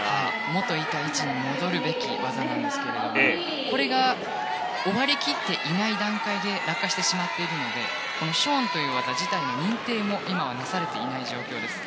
もといた位置に戻るべき技なんですがこれが終わり切っていない段階で落下してしまっているのでショーンという技自体の認定もなされていない状況です。